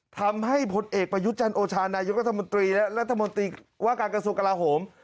ทำให้ผลเอกประยุทธ์จันทร์โอชานายุทธมนตรีและรัฐมนตรีว่าการกระทรุกกระลาโถม